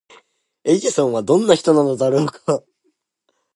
エジソンはどんな人なのだろうか？